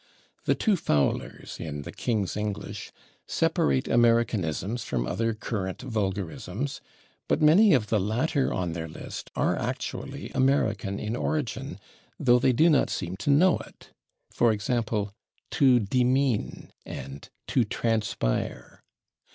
The two Fowlers, in "The King's English," separate Americanisms from other current vulgarisms, but many of the latter on their list are actually American in origin, though they do not seem to know it for example, /to demean/ and /to transpire